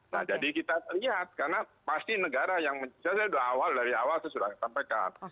nah jadi kita lihat karena pasti negara yang mencari dari awal dari awal sudah disampaikan